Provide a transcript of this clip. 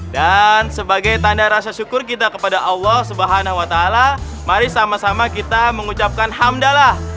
dan sebagai tanda rasa syukur kita kepada allah swt mari sama sama kita mengucapkan hamdalah